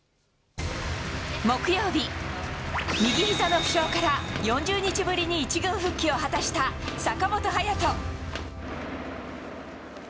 木曜日、右ひざの負傷から４０日ぶりに１軍復帰を果たした坂本勇人。